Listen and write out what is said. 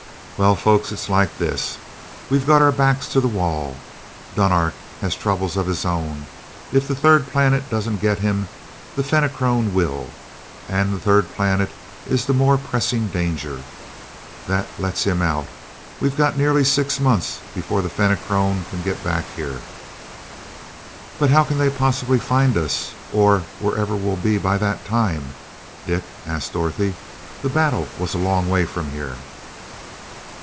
"Well, folks, it's like this. We've got our backs to the wall. Dunark has troubles of his own if the Third Planet doesn't get him the Fenachrone will, and the Third Planet is the more pressing danger. That lets him out. We've got nearly six months before the Fenachrone can get back here...." "But how can they possibly find us here, or wherever we'll be by that time, Dick?" asked Dorothy. "The battle was a long way from here."